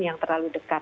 yang terlalu dekat